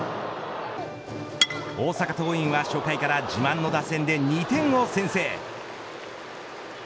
大阪桐蔭は初回から自慢の打線で２点を先制。